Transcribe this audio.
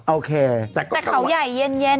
แต่เขาเข้ามาแต่เขาใหญ่เย็นนะตอนเย็น